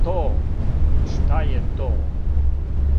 То, шта је то?